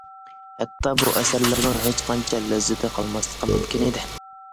ھەتتا بۇ ئەسەرلەرنىڭ ھېچقانچە لەززىتى قالماسلىقى مۇمكىن ئىدى.